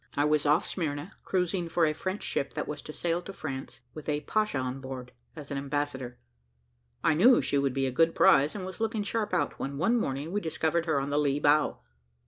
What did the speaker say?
I was off Smyrna, cruising for a French ship, that was to sail to France, with a pacha on board, as an ambassador. I knew she would be a good prize, and was looking sharp out, when one morning we discovered her on the lee bow.